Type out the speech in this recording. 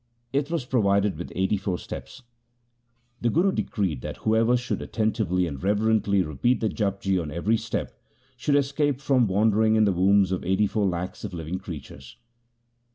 It was provided with eighty four steps. The Guru decreed that whoever should attentively and reverently repeat the Japji on every step, should escape from wandering in the wombs LIFE OF GURU AMAR DAS 97 of the eighty four lakhs of living creatures.